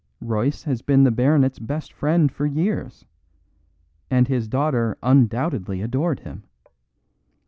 Royce has been the baronet's best friend for years; and his daughter undoubtedly adored him.